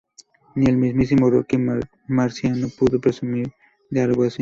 Ni el mismísimo Rocky Marciano pudo presumir de algo así.